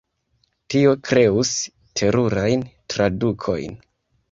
Tio kreus terurajn tradukojn.